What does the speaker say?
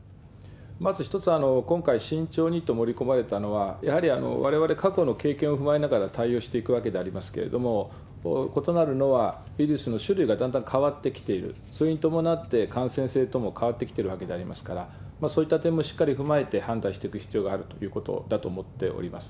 まず一つ、今回慎重にと盛り込まれたのは、やはりわれわれ、過去の経験をふまえながらたいおうしていくわけでありますけれども、異なるのは、ウイルスの種類がだんだん変わってきている、それに伴って感染系統も変わってきてるわけでありますから、そういった点もしっかり踏まえて判断していく必要があるということだと思っております。